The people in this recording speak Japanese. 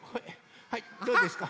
はいどうですか？